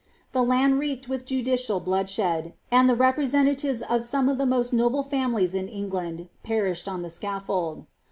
The land reeked with judicial bloudshed, and ibe representatives of some of the most noble families in England perished on the scaffold.